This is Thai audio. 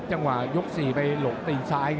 จังหวะยก๔ไปหลงตีนซ้าย